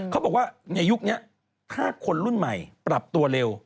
เขาบอกว่าในยุคนี้ถ้าคนรุ่นใหม่ปรับตัวเร็ว